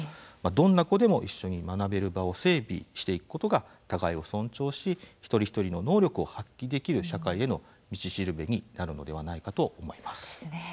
どんな子でも一緒に学べる場を整備していくことが互いを尊重し、一人一人の能力を発揮できる社会への道しるべになるのではないかと思います。